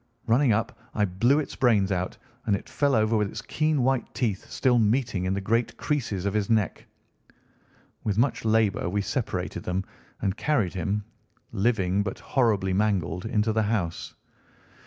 Running up, I blew its brains out, and it fell over with its keen white teeth still meeting in the great creases of his neck. With much labour we separated them and carried him, living but horribly mangled, into the house.